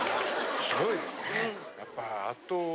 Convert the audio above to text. すごいですね。